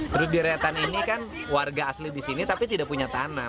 berderehatan ini kan warga asli di sini tapi tidak punya tanah